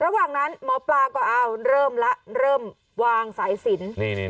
ระหว่างนั้นหมอปลาก็เอาเริ่มละเริ่มวางสายศีลนี่นี่